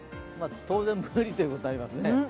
当然無理ということになりますね。